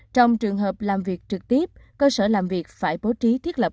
trong trường hợp làm việc trực tiếp cơ sở làm việc phải bố trí thiết lập